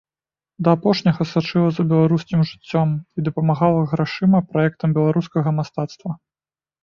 Да апошняга сачыла за беларускім жыццём і дапамагала грашыма праектам беларускага мастацтва.